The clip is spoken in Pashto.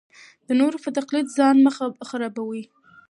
د نورو په تقلید ځان مه خرابوئ.